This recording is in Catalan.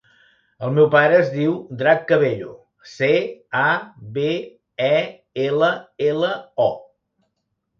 El meu pare es diu Drac Cabello: ce, a, be, e, ela, ela, o.